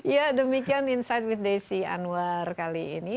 ya demikian insight with desi anwar kali ini